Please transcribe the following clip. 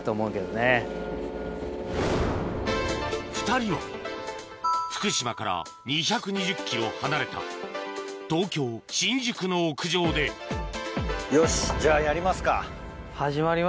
２人は福島から２２０ｋｍ離れた東京・新宿の屋上でよしじゃあやりますか。